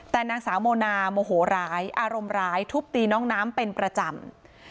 แต่นางสาวโมนาโมโหร้ายอารมณ์ร้ายทุบตีน้องน้ำเป็นประจำ